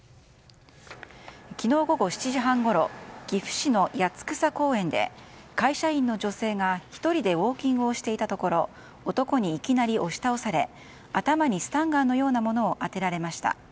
昨日午後７時半ごろ岐阜市の八ツ草公園で会社員の女性が１人でウォーキングしていたところ男にいきなり押し倒され頭にスタンガンのようなものを当てられました。